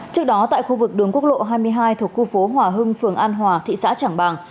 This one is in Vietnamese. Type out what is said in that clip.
trước đó tại khu vực đường quốc lộ hai mươi hai thuộc khu phố hòa hưng phường an hòa thị xã trảng bàng